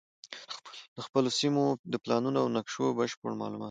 د خپلو سیمو د پلانونو او نقشو بشپړ معلومات